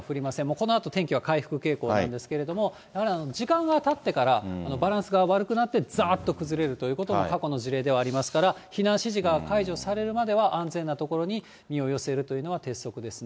このあと天気は回復傾向なんですけれども、やはり時間がたってから、バランスが悪くなって、ざーっと崩れるということも過去の事例ではありますから、避難指示が解除されるまでは、安全な所に身を寄せるというのは鉄則ですね。